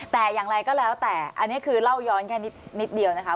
แต่อย่างไรก็แล้วแต่อันนี้คือเล่าย้อนแค่นิดเดียวนะคะ